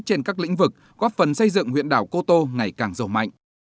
trên các lĩnh vực góp phần xây dựng huyện đảo cô tô ngày càng rồ mạnh